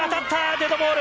デッドボール！